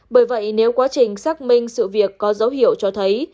bởi vậy nếu quá trình xác minh sự việc có dấu hiệu cho thấy